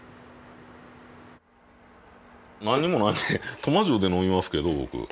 何もないんでトマジューで飲みますけどぼく。